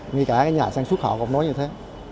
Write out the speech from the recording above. ngay cả nhà sản xuất họ cũng nói như thế